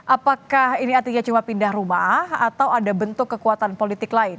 apakah ini artinya cuma pindah rumah atau ada bentuk kekuatan politik lain